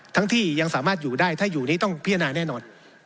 ที่ยังสามารถอยู่ได้ถ้าอยู่นี้ต้องพิจารณาแน่นอน